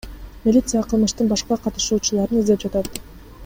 Милиция кылмыштын башка катышуучуларын издеп жатат.